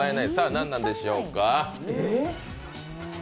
何なんでしょうか。